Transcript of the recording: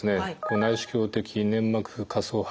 内視鏡的粘膜下層剥離術。